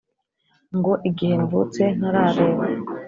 ngo igihe mvutse ntarareba